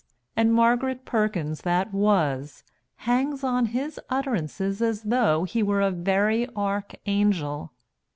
And Margaret Perkins that was hangs on his utterances as though he were a very archangel."